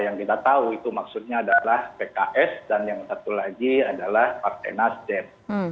yang kita tahu itu maksudnya adalah pks dan yang satu lagi adalah partai nasdem